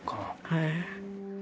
はい。